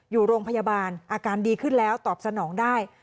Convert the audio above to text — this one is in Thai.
อยู่โรงพยาบาลอาการดีขึ้นแล้วตอบสนองได้